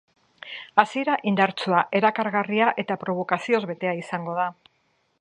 Hasiera indartsua, erakargarria eta probokazioz betea izango da.